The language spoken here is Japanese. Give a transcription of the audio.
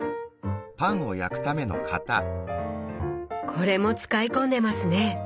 これも使い込んでますね。